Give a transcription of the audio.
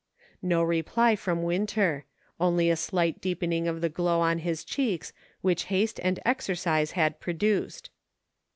No reply from Winter ; only a slight deepening of the glow on his cheeks which haste and exer cise had produced.